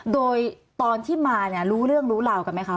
โดยตอนที่มาเนี่ยรู้เรื่องรู้ราวกันไหมคะ